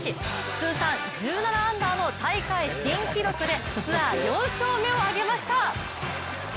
通算１７アンダーの大会新記録でツアー４勝目を挙げました。